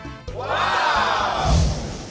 ว้าว